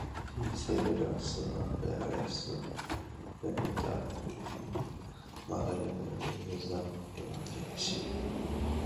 He served as a wireless operator in Malaya during the Emergency.